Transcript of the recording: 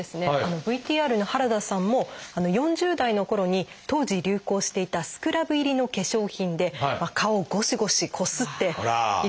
ＶＴＲの原田さんも４０代のころに当時流行していたスクラブ入りの化粧品で顔をごしごしこすっていたそうなんですね。